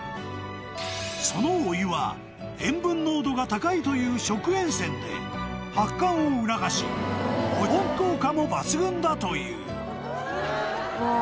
［そのお湯は塩分濃度が高いという食塩泉で発汗を促し保温効果も抜群だという］